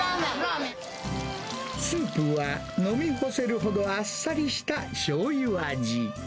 スープは飲み干せるほどあっさりしたしょうゆ味。